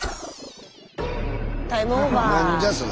タイムオーバー。